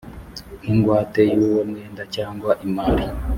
nk ingwate y uwo mwenda cyangwa imari